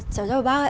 chào chào bác ạ